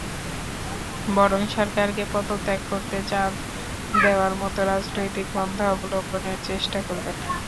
বরং সরকারকে পদত্যাগ করতে চাপ দেওয়ার মতো রাজনৈতিক পন্থা অবলম্বনের চেষ্টা করবেন।